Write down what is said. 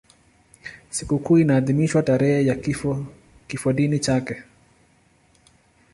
Sikukuu inaadhimishwa tarehe ya kifodini chake.